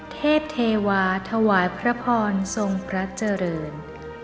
เทพเทวาถวายพระพรทรงพระเจริญ